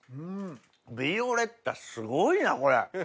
ヴィオレッタすごいなこれ。